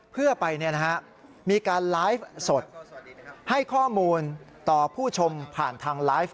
เพื่อไปมีการไลฟ์สดให้ข้อมูลต่อผู้ชมผ่านทางไลฟ์